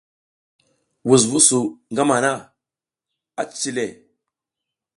Wusnu su ngama hana a cici le.